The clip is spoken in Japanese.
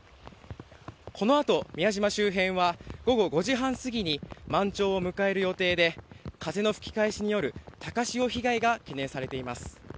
このあと、宮島周辺は午後５時半過ぎに満潮を迎える予定で風の吹き返しによる高潮被害が懸念されています。